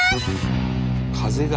風が。